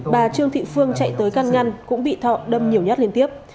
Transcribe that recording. bà trương thị phương chạy tới căn ngăn cũng bị thọ đâm nhiều nhát liên tiếp